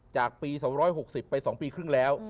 จากปี๒๖๐ไป๒ปีครึ่งแล้ว